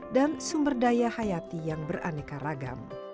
dan sumber daya hayati yang beraneka ragam